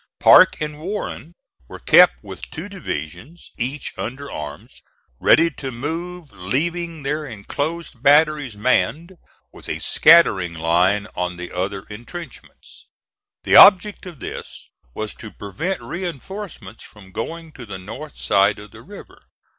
Parke and Warren were kept with two divisions, each under arms, ready to move leaving their enclosed batteries manned, with a scattering line on the other intrenchments. The object of this was to prevent reinforcements from going to the north side of the river.